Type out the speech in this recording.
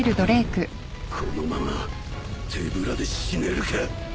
このまま手ぶらで死ねるか！